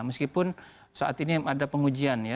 meskipun saat ini ada pengujian ya